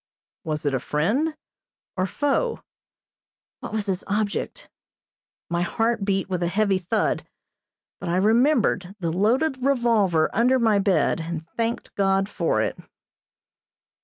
Was it a friend or foe? What was his object? My heart beat with a heavy thud, but I remembered the loaded revolver under my bed, and thanked God for it.